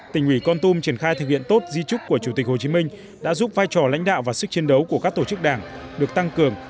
tỉnh ủy con tum triển khai thực hiện tốt di trúc của chủ tịch hồ chí minh đã giúp vai trò lãnh đạo và sức chiến đấu của các tổ chức đảng được tăng cường